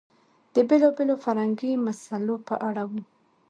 د بېلابېلو فرهنګي مسئلو په اړه و.